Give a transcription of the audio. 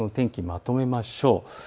まとめましょう。